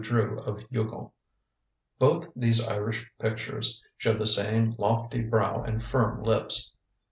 Drew of Youghal. Both these Irish pictures show the same lofty brow and firm lips.